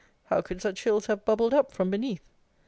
How could such hills have bubbled up from beneath?